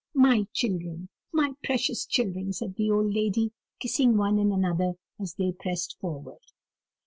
"My children, my precious children!" said the old lady, kissing one and another as they pressed forward.